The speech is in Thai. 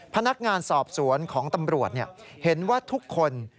พนักงานสอบสวนของตำรวจเห็นว่าทุกคน